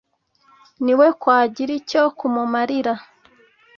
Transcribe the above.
Ni we kwagira icyo kumumarira